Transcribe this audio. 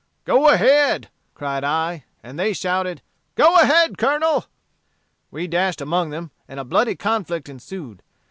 'Go ahead!' cried I; and they shouted, 'Go ahead, Colonel!' We dashed among them, and a bloody conflict ensued.